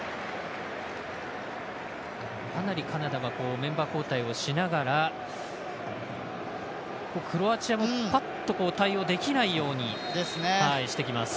かなりカナダはメンバー交代をしながらクロアチアも、ぱっと対応できないようにしてきます。